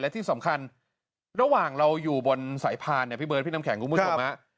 และที่สำคัญระหว่างเราอยู่บนสายพานเนี่ยพี่เบิร์ดพี่น้ำแข็งคุณผู้ชมฮะ